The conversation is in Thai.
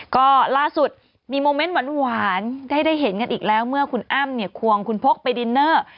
ก็ล่าสุดมีโมเมนต์หวานได้เห็นกันอีกแล้วเมื่อคุณอ้ำเนี่ยควงคุณพกไปดินเนอร์